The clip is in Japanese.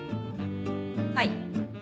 はい。